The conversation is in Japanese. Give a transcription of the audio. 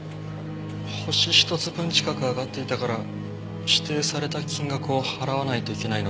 「星１つ分近く上がっていたから指定された金額を払わないといけないのか」